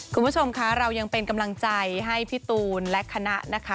คุณผู้ชมคะเรายังเป็นกำลังใจให้พี่ตูนและคณะนะคะ